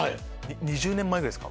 ２０年前ぐらいですか？